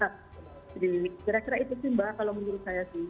kira kira itu sih mbak kalau menurut saya sih